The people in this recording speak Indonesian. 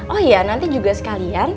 oh iya nanti juga sekalian